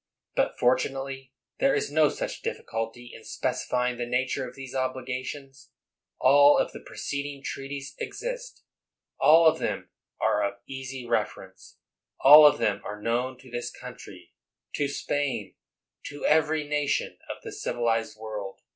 But fortunately there is no such difficulty in specifying the nature of those obligations. All of the preceding treaties exist — all of them are of easy reference — all of them are known to this country, to Spain, to every nation of the civilized world.